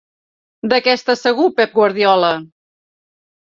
De què està segur Pep Guardiola?